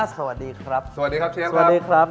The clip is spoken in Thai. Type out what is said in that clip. สวัสดีครับ